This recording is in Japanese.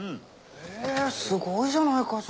えすごいじゃない課長。